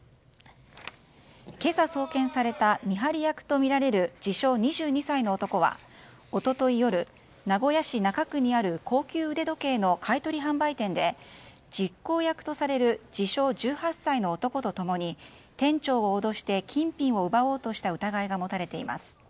今朝、送検された見張り役とみられる自称２２歳の男は一昨日夜、名古屋市中区にある高級腕時計の買い取り販売店で実行役とされる自称１８歳の男と共に店長を脅して金品を奪おうとした疑いが持たれています。